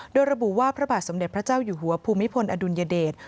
โดยระบุว่าพระบาทสมเด็จพระเจ้าอยู่หัวภูมิพลอดุลยเดช